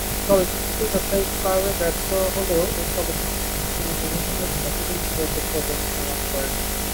চলচ্চিত্রটি ব্যবসায়িকভাবে ব্যর্থ হলেও এই চলচ্চিত্রে অভিনয়ের জন্য তিনি ইতিবাচক পর্যালোচনা লাভ করেন।